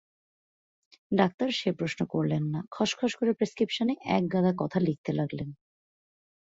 Doctor সে-প্রশ্ন করলেন না, খসখস করে প্রেসক্রিপশনে একগাদা কথা লিখতে লাগলেন।